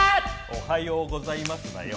おはようございますだよ！